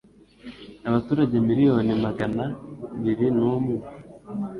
Abaturage Miriyoni magana biri numwe